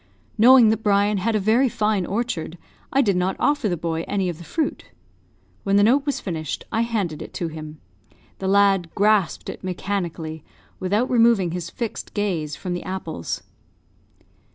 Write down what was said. Knowing that Brian had a very fine orchard, I did not offer the boy any of the fruit. When the note was finished, I handed it to him. The lad grasped it mechanically, without removing his fixed gaze from the apples.